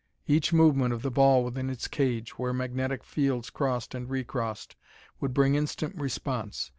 Each movement of the ball within its cage, where magnetic fields crossed and recrossed, would bring instant response.